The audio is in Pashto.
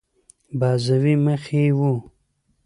بیضوي مخ یې وو.